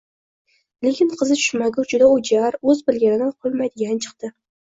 Lekin qizi tushmagur juda o`jar, o`z bilganidan qolmaydigan chiqdi